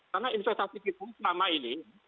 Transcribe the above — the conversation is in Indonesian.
karena investasi kita selama ini